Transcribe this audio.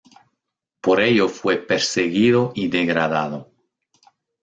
Por ello fue perseguido y degradado.